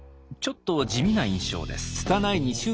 ちょっと地味な印象です。